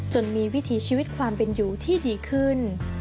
จนมีวิถีชีวิตความเป็นอยู่ที่ดีขึ้น